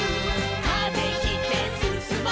「風切ってすすもう」